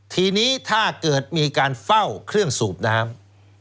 ทีนี้ถ้าเกิดมีการเฝ้าเครื่องสูบน้ำ